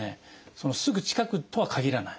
そのすぐ近くとはかぎらない。